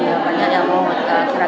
ya banyak yang mau